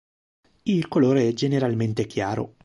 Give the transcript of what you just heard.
Il colore è generalmente chiaro.